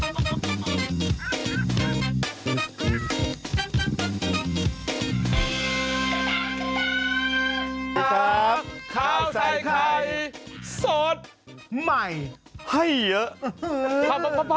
ครับข้าวใส่ไข่สดใหม่ให้เยอะ